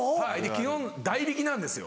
基本代引きなんですよ